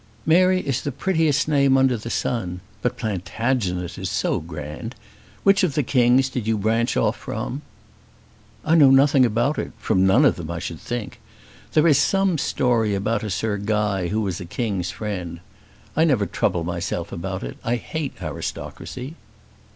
"Mary is the prettiest name under the sun. But Plantagenet is so grand! Which of the kings did you branch off from?" "I know nothing about it. From none of them, I should think. There is some story about a Sir Guy who was a king's friend. I never trouble myself about it. I hate aristocracy."